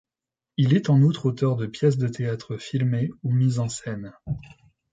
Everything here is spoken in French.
Il est en outre auteur de pièces de théâtre filmés ou mises en scène.